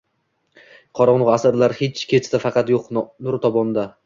Qorongʻu asrlar kechdi faqat yoʻq nuritobonda